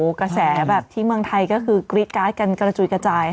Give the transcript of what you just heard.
กระแสแบบที่เมืองไทยก็คือกรี๊ดการ์ดกันกระจุยกระจาย